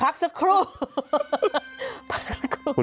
พักสักครู่